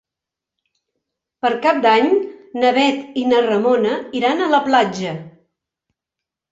Per Cap d'Any na Bet i na Ramona iran a la platja.